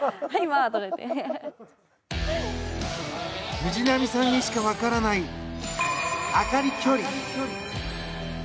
藤波さんにしか分からない朱理距離。